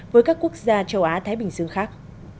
với các quốc gia châu á thái bình dương khác